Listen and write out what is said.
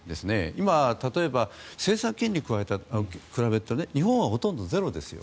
今、例えば政策金利に比べると日本はほとんどゼロですよ。